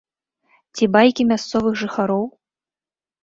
Ці байкі мясцовых жыхароў?